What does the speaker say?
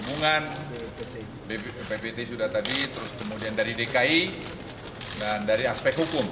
hubungan bppt sudah tadi terus kemudian dari dki dan dari aspek hukum